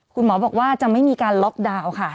คุณหมอบอกว่าจะไม่มีการล็อกดาวน์ค่ะ